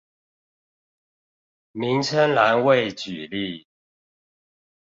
名稱欄位舉例